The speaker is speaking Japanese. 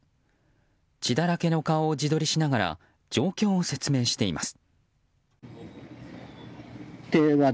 血だらけの顔を自撮りしながら状況を説明しています。